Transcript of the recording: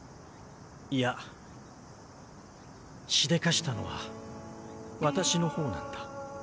いやしでかしたのは私の方なんだ。